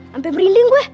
sampai merinding gue